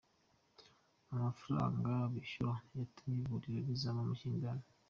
Amafaranga bishyuwe yatumye ivuriro rizamo amakimbirane